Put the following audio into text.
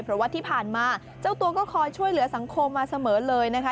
เพราะว่าที่ผ่านมาเจ้าตัวก็คอยช่วยเหลือสังคมมาเสมอเลยนะคะ